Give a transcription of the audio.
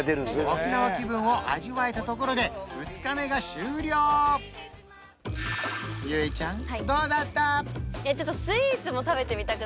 沖縄気分を味わえたところで結実ちゃんどうだった？